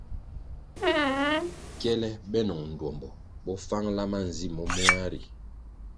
Kyele benoh ndtuombo bo fangla manzi moméa ri.